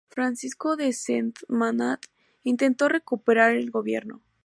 Francisco de Sentmanat, intentó recuperar el gobierno.